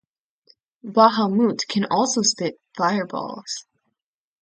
Bahamoot can also spit fireballs.